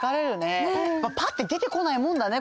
パッて出てこないもんだね